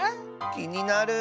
きになる。